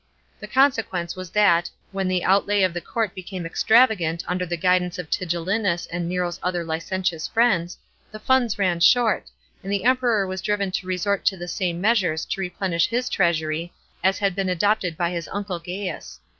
The consequence was that, when the outlay of the court became extravagant under the guidance of Tigelliuus and Nero's other licentious friends, the funds ran short, and the Emperor was driven to resort to the same measures to replenish his treasury as had been adopted by his uncle Gaius.